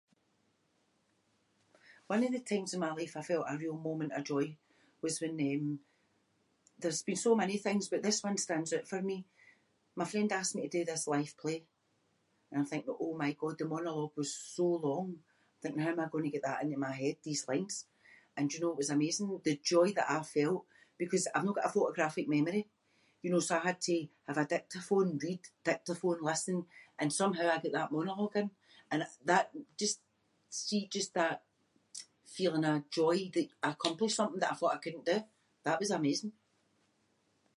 One of the times in my life I felt a real moment of joy was when um- there’s been so many things but this one stands oot for me. My friend asked me to do this live play and I’m thinking oh my god the monologue was so long, thinking how am I gonnae get that into my head, these lines. And, do you know, it was amazing the joy that I felt because I’ve no got a photographic memory, you know, so I had to have a Dictaphone- read, Dictaphone, listen and somehow I got that monologue in. And it- that- just- see just that feeling of joy that I accomplished something that I thought I couldn’t do, that was amazing.